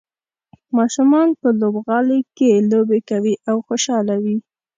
ماشومان په لوبغالي کې لوبې کوي او خوشحاله وي.